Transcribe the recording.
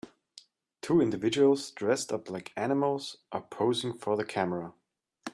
Two individuals dressed up like animals are posing for the camera.